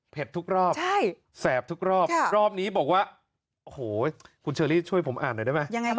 ทุกรอบแสบทุกรอบรอบนี้บอกว่าโอ้โหคุณเชอรี่ช่วยผมอ่านหน่อยได้ไหม